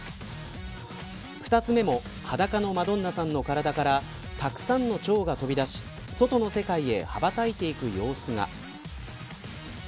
２つ目も裸のマドンナさんの体からたくさんのチョウが飛び出し外の世界へ羽ばたいていく様子が。